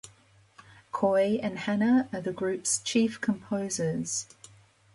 Coy and Hannah are the group's chief composers.